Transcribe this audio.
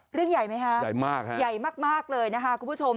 เรื่องใหญ่ไหมคะใหญ่มากเลยนะคะคุณผู้ชม